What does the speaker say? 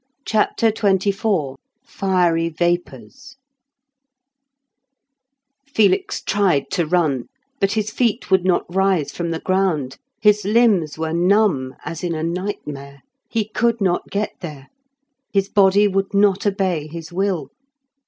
CHAPTER XXIV FIERY VAPOURS Felix tried to run, but his feet would not rise from the ground; his limbs were numb as in a nightmare; he could not get there. His body would not obey his will.